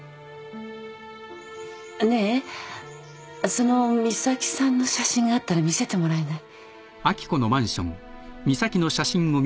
その美咲さんの写真があったら見せてもらえない？